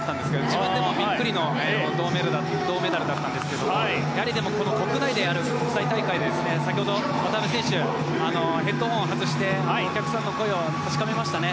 自分でもビックリの銅メダルだったんですがでも、国内でやる国際大会は先ほど、渡辺選手はヘッドホンを外してお客さんの声を確かめましたね。